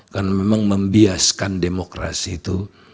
karena memang membiaskan demokrasi itu